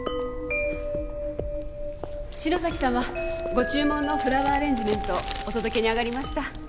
ご注文のフラワーアレンジメントお届けに上がりました。